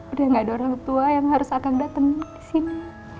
udah ga ada orang tua yang harus akang datang disini